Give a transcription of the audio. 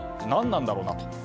何なんだろうなと。